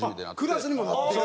クラスにもなってる？